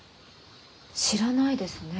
知らないですね。